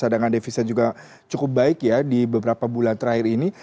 cadangan devisa juga cukup baik ya di beberapa bulan terakhir ini